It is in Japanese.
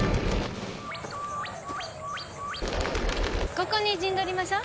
ここに陣取りましょう。